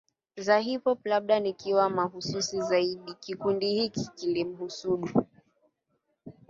za hip hop Labda nikiwa mahususi zaidi kikundi hiki kilimuhusudu